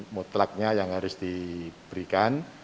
mutlaknya yang harus diberikan